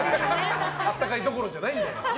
暖かいどころじゃないんだよ。